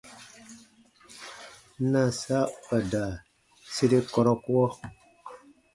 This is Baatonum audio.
Naasa u ka da sere kɔrɔkuɔ.